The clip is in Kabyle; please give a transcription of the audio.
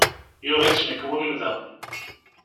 Yuɣ-itt, mkwemmda.